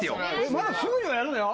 まだすぐにはやるなよ。